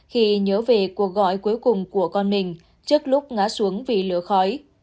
khi nhớ về cuộc gọi cuối cùng của con mình trước lúc ngã xuống vì lửa khói